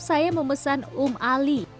saya memesan umm ali